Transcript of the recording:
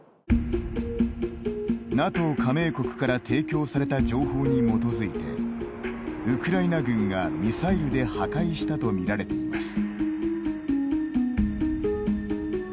ＮＡＴＯ加盟国から提供された情報に基づいてウクライナ軍がミサイルで破壊したと見られています。